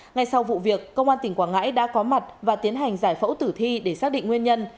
ngay sau vụ việc công an tỉnh quảng ngãi đã có mặt và tiến hành giải phẫu tử thi để xác định nguyên nhân